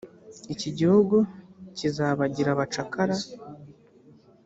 iki igihugu kizabagira abacakara